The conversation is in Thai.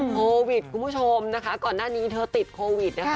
คุณผู้ชมนะคะก่อนหน้านี้เธอติดโควิดนะคะ